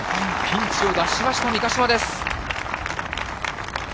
ピンチを脱しました、三ヶ島です。